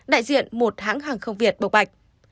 đại diện một hãng hàng không việt bộc bạch